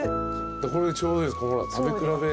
これちょうどいいです。